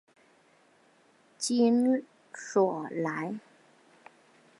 勒索莱。